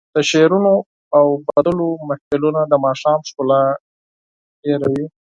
د شعرونو او سندرو محفلونه د ماښام ښکلا ډېروي.